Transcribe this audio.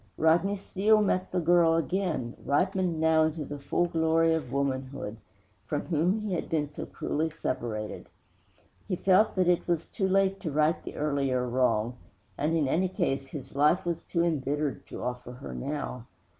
_ V Rodney Steele met again the girl ripened now into the full glory of womanhood from whom he had been so cruelly separated. He felt that it was too late to right the earlier wrong; and, in any case, his life was too embittered to offer her now.